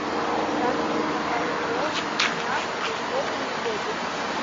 Растуць на кары дрэў, камянях і вільготнай глебе.